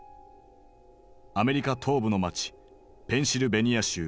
アメリカ東部の街ペンシルベニア州